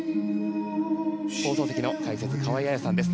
放送席の解説、河合彩さんです。